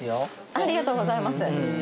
◆ありがとうございます。